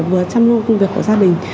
xăm nô công việc của gia đình